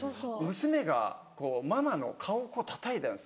娘がママの顔をこうたたいたんですよ。